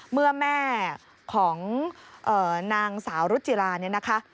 เมื่อแม่ของนางสาวรุจิราเนี่ยนะคะ